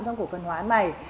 trong cổ phần hóa này